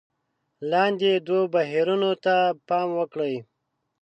لاندې دوو بهیرونو ته پام وکړئ: